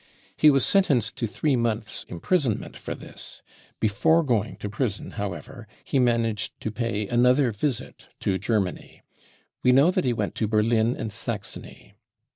He was sentenced to three months imprisonment for this. Before going t<$ prison, however, he managed to pay another visit to Germany. We know that he went to Berlin and Saxony.